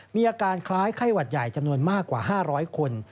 มีอาการคล้ายไข้หวัดใหญ่จำนวนมากกว่า๕๐๐คน